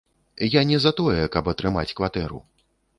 Я не за тое, каб атрымаць кватэру.